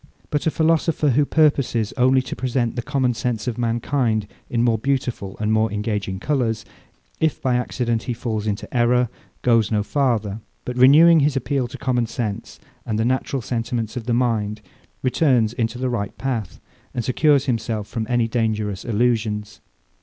But a philosopher, who purposes only to represent the common sense of mankind in more beautiful and more engaging colours, if by accident he falls into error, goes no farther; but renewing his appeal to common sense, and the natural sentiments of the mind, returns into the right path, and secures himself from any dangerous illusions.